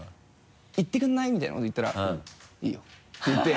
「行ってくれない？」みたいなこと言ったら「いいよ」って言って。